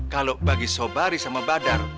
kalau bagi sobari sama badar